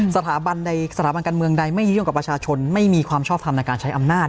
สถาบันใดสถาบันการเมืองใดไม่ยุ่งกับประชาชนไม่มีความชอบทำในการใช้อำนาจ